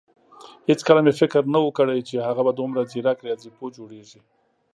هيڅکله مې فکر نه وو کړی چې هغه به دومره ځيرک رياضيپوه جوړېږي.